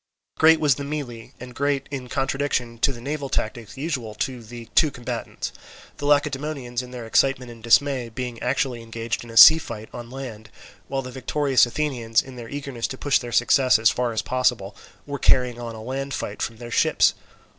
Great was the melee, and quite in contradiction to the naval tactics usual to the two combatants; the Lacedaemonians in their excitement and dismay being actually engaged in a sea fight on land, while the victorious Athenians, in their eagerness to push their success as far as possible, were carrying on a land fight from their ships.